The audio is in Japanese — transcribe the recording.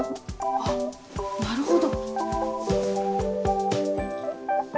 あっなるほど。